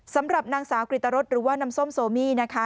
สำหรับนางสาวกริตรสหรือว่าน้ำส้มโซมี่นะคะ